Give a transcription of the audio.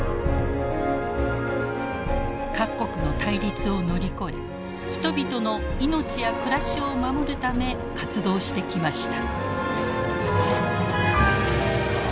各国の対立を乗り越え人々の命や暮らしを守るため活動してきました。